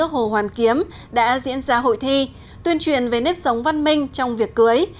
hồ hoàn kiếm đã diễn ra hội thi tuyên truyền về nếp sống văn minh trong việc cưới